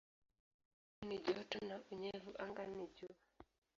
Pwani ni joto na unyevu anga ni juu.